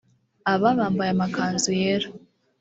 aba bambaye amakanzu yera